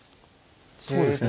そうですね。